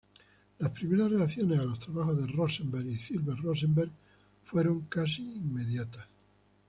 Las primeras reacciones a los trabajos de Rosenberg y Zilber-Rosenberg fueron casi inmediatas.